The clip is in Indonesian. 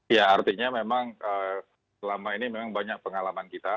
ya artinya memang selama ini memang banyak pengalaman kita